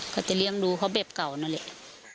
ก็จะเลี้ยงดูเขาแบบเก่านั่นแหละ